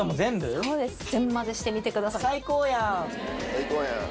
最高やん！